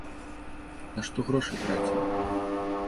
На што грошы трацім?